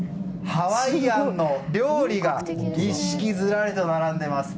ハワイアンの料理がぎっしりと並んでいます。